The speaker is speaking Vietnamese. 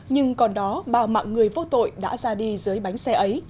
nhưng còn đó bao mạng người vô tội đã ra đi dưới bánh xe ấy